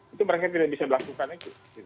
itu mereka tidak bisa melakukan itu